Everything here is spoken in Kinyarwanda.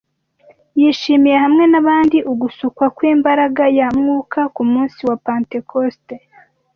Yishimiye hamwe n’abandi ugusukwa kw’imbaraga ya Mwuka ku munsi wa Pentekosite